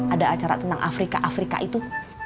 ada acara tentang afrika afrika itu